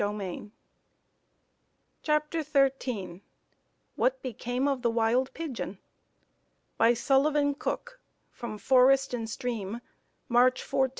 Brewster. CHAPTER XIII What Became of the Wild Pigeon? By Sullivan Cook, from "Forest and Stream," March 14, 1903.